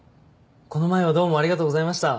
この前はどうもありがとうございました。